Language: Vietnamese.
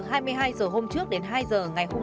hai mươi hai h hôm trước đến hai h ngày hôm